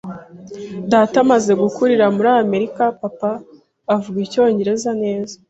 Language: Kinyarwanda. Data amaze gukurira muri Amerika, papa avuga icyongereza neza.